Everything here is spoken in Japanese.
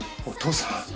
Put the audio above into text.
お父さん？